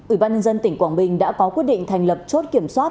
ủy ban nhân dân tỉnh quảng bình đã có quyết định thành lập chốt kiểm soát